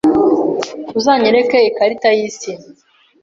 Uzanyereka ikarita yisi?